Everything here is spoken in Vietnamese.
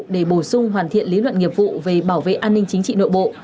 để bổ sung hoàn thiện lý luận nghiệp vụ về bảo vệ an ninh chính trị nội bộ